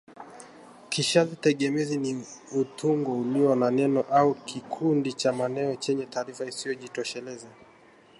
Kishazi tegemezi ni utungo ulio na neno au kikundi cha maneno chenye taarifa isiyojitosheleza